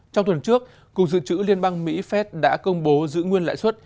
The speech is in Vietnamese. trong tuần trước cục dự trữ liên bang mỹ phép đã công bố giữ nguyên lãi suất